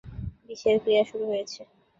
বিষের ক্রিয়া শুরু হয়েছে।